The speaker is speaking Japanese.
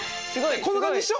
こんな感じでしょ。